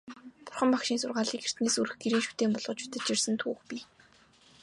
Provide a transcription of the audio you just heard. Бурхан Багшийн сургаалыг эртнээс өрх гэрийн шүтээн болгож шүтэж ирсэн түүх бий.